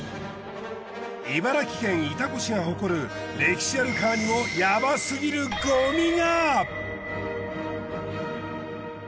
茨城県潮来市が誇る歴史ある川にもヤバすぎるごみが。